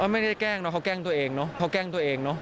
ไม่ได้แกล้งเนอะเขาแกล้งตัวเองเนอะ